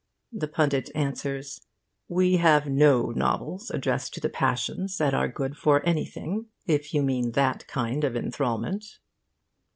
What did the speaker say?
The pundit answers: 'We have no novels addressed to the passions that are good for anything, if you mean that kind of enthralment.